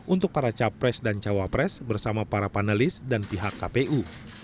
untuk para cap pres dan cawa pres bersama para panelis dan pihak kpu